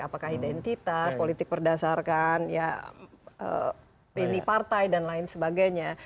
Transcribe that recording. apakah identitas politik berdasarkan ya ini partai dan lain sebagainya